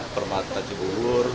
permat taji burur